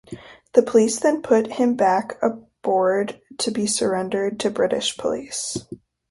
The police then put him back aboard to be surrendered to British police.